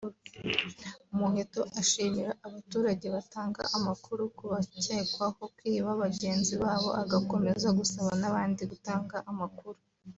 Muheto ashimira abaturage batanga amakuru ku bakekwaho kwiba bagenzi babo agakomeza gusaba n’abandi gutanga amakuru